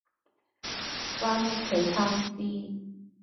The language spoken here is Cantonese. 返屋企攤屍